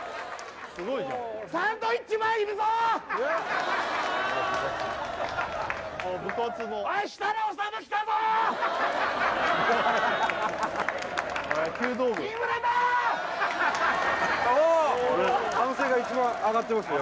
すごいじゃんあっ部活の弓道部歓声が一番上がってますね